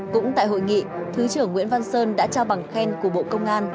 cũng tại hội nghị thứ trưởng nguyễn văn sơn đã trao bằng khen của bộ công an